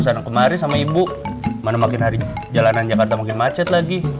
kesana kemari sama ibu mana makin hari jalanan jakarta makin macet lagi